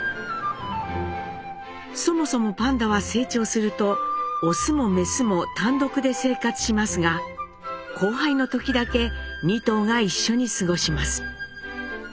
そもそもパンダは成長するとオスもメスも単独で生活しますが交配の時だけ２頭が一緒に過ごします。